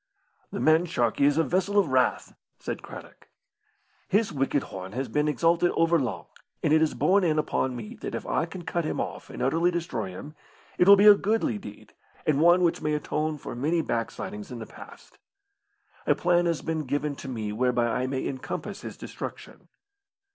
"The man Sharkey is a vessel of wrath," said Craddock. "His wicked horn has been exalted over long, and it is borne in upon me that if I can cut him off and utterly destroy him, it will be a goodly deed, and one which may atone for many backslidings in the past. A plan has been given to me whereby I may encompass his destruction."